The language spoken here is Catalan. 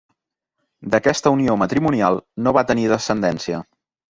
D'aquesta unió matrimonial no va tenir descendència.